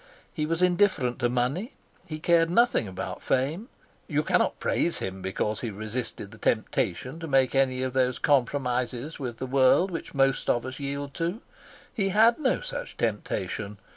He was indifferent to money. He cared nothing about fame. You cannot praise him because he resisted the temptation to make any of those compromises with the world which most of us yield to. He had no such temptation.